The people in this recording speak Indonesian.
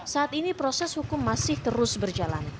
saat ini proses hukum masih terus berjalan